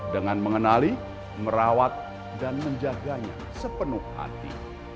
dengan mengenali merawat dan menjaganya sepenuh hati